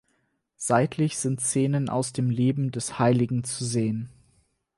Seitlich sind Szenen aus dem Leben des Heiligen zu sehen.